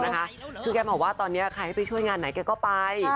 คือแกบอกว่าตอนนี้ใครให้ไปช่วยงานไหนแกก็ไป